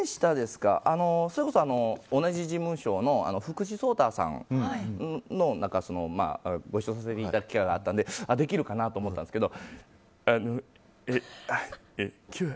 それこそ同じ事務所の福士蒼汰さんとご一緒させていただく機会があったのでできるかなと思ったんですけど。